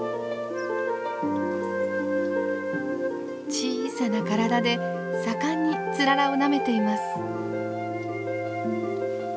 小さな体で盛んにツララをなめています。